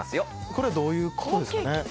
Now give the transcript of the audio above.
これはどういうことですかね？